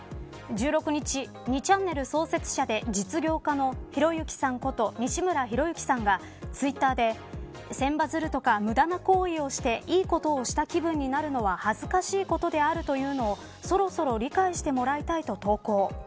１６日、２ちゃんねる創設者で失業者の実業家のひろゆきさんこと西村博之さんがツイッターで千羽鶴とか無駄な行為をして良い事をした気分になるのは恥ずかしいことであるというのをそろそろ理解してもらいたいと投稿。